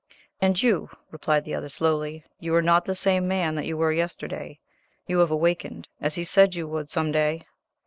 "And you," replied the other, slowly, "you are not the same man that you were yesterday; you have awakened, as he said you would some day."